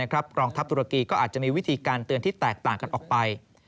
กองทัพตุรกีก็อาจจะมีวิธีการเตือนที่แตกต่างกันออกไป